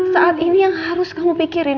saat ini yang harus kamu pikirin